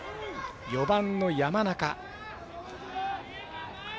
４番の山中。